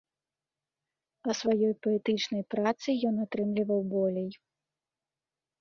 А сваёй паэтычнай працы ён атрымліваў болей.